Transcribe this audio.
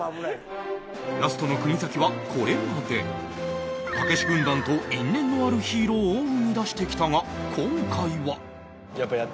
ラストの国崎はこれまでたけし軍団と因縁のあるヒーローを生み出してきたが今回は？